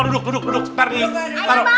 duduk dulu eh duduk dulu semua duduk duduk duduk